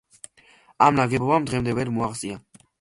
სირიის დამოუკიდებლობის მიღების შემდეგ გახდა გენერალური შტაბის უფროსი.